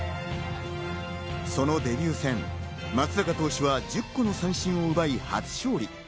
そのデビュー戦、松坂投手は１０個の三振を奪い初勝利。